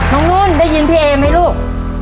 นุ่นได้ยินพี่เอไหมลูก